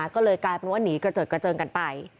ก็เลยกลายเป็นว่าหนีกระเจิดกระเจิงกันไป